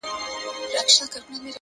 د وخت ضایع کول د ژوند ضایع کول دي.